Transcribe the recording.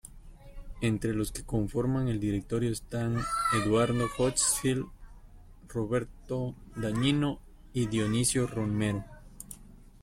Entre los que conforman el directorio están Eduardo Hochschild, Roberto Dañino y Dionisio Romero.